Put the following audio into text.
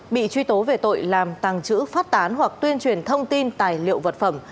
bị truy tố về tội làm tàng trữ phát tán hoặc tuyên truyền thông tin tài liệu vật phẩm